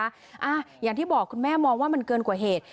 อย่างที่บอกคุณแม่มองว่ามันเกินกว่าเหตุ